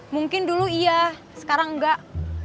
mungkin dulu iya sekarang enggak